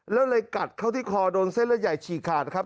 แล้วเลยกัดเข้าที่คอโดนเส้นเลือดใหญ่ฉีกขาดครับ